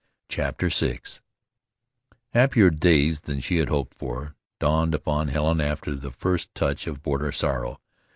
CHAPTER VI Happier days than she had hoped for, dawned upon Helen after the first touch of border sorrow.